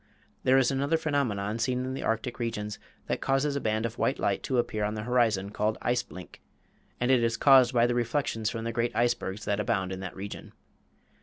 There is another phenomenon seen in the arctic regions that causes a band of white light to appear on the horizon called "ice blink," and it is caused by the reflections from the great icebergs that abound in that region.